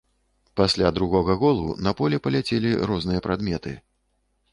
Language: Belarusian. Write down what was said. Пасля другога голу на поле паляцелі розныя прадметы.